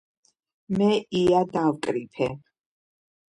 მე ია დავკრიფე